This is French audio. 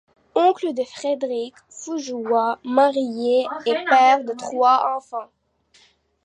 Oncle de Frédéric Fougea, marié et père de trois enfants.